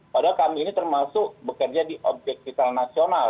padahal kami ini termasuk bekerja di objektifal nasional